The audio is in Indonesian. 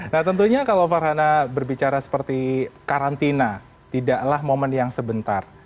nah tentunya kalau farhana berbicara seperti karantina tidaklah momen yang sebentar